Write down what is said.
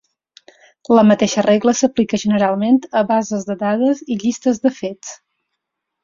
La mateixa regla s'aplica generalment a bases de dades i llistes de fets.